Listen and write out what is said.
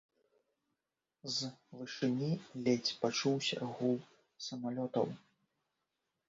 З вышыні ледзь пачуўся гул самалётаў.